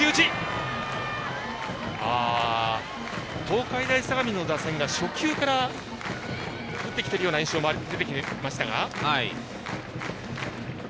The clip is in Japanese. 東海大相模の打線が初球から振ってきているような印象も出てきました。